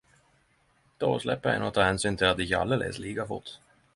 Då slepp ein ta hensyn til at ikkje alle les like fort.